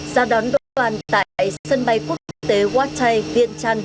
gia đoán đoàn tại sân bay quốc tế wattai viên trăn